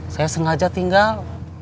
saya sengaja tinggal